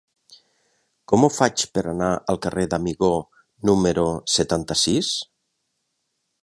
Com ho faig per anar al carrer d'Amigó número setanta-sis?